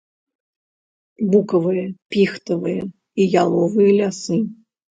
Букавыя, піхтавыя і яловыя лясы.